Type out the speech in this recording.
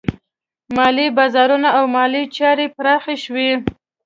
مالي بازارونه او مالي چارې پراخه شوې.